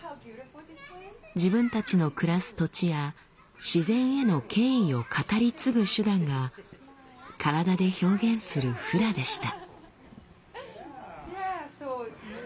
自分たちの暮らす土地や自然への敬意を語り継ぐ手段が体で表現するフラでした。